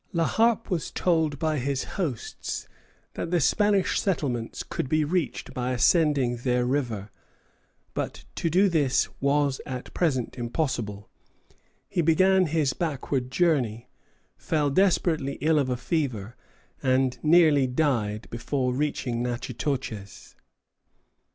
_] La Harpe was told by his hosts that the Spanish settlements could be reached by ascending their river; but to do this was at present impossible. He began his backward journey, fell desperately ill of a fever, and nearly died before reaching Natchitoches.